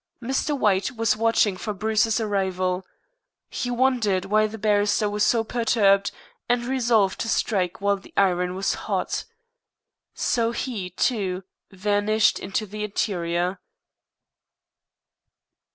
Mr. White was watching for Bruce's arrival. He wondered why the barrister was so perturbed, and resolved to strike while the iron was hot. So he, too, vanished into the interior.